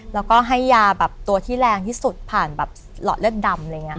แล้วก็ให้ยาแบบตัวที่แรงที่สุดผ่านหลอดเลือกดำ